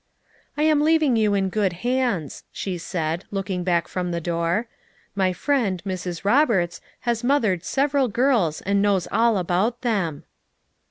"I am leaving you in good hands," she said, looking back from the door. "My friend, Mrs. Roberts, has mothered several girls and knows all about them."